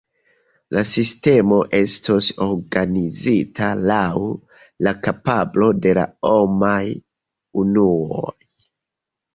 La sistemo estos organizita laŭ la kapablo de la homaj unuoj.